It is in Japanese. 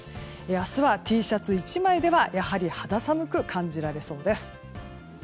明日はＴシャツ１枚ではやはり肌寒く感じられそうです。